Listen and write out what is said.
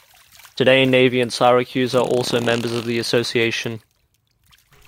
Today Navy and Syracuse are also members of the association.